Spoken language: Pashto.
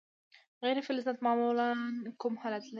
غیر فلزات معمولا کوم حالت لري.